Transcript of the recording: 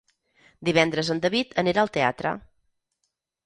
Divendres en David anirà al teatre.